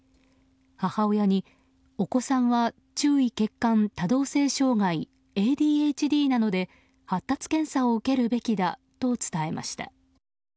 母親に、お子さんは注意欠陥・多動性障害ＡＤＨＤなので発達検査を受けるべきだと伝えました。